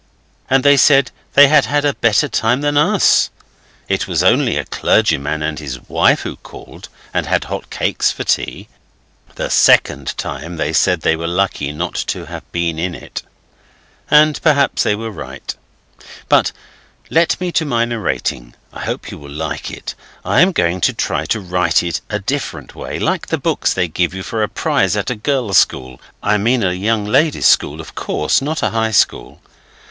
And they said they had had a better time than us. (It was only a clergyman and his wife who called, and hot cakes for tea.) The second time they said they were lucky not to have been in it. And perhaps they were right. But let me to my narrating. I hope you will like it. I am going to try to write it a different way, like the books they give you for a prize at a girls' school I mean a 'young ladies' school', of course not a high school.